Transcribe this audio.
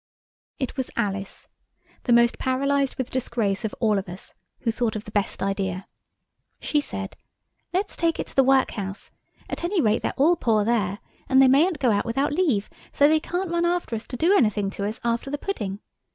It was Alice, the most paralysed with disgrace of all of us, who thought of the best idea. She said, "Let's take it to the workhouse. At any rate they're all poor there, and they mayn't go out without leave, so they can't run after us to do anything to us after the pudding.